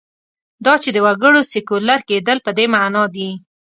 دا چې د وګړو سیکولر کېدل په دې معنا دي.